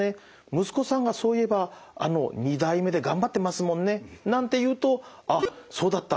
息子さんがそういえば２代目で頑張ってますもんね」なんて言うとあっそうだった。